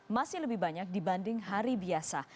masih lebih banyak dibanding hari biasa